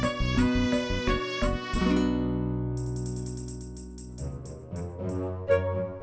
saya sudah berjalan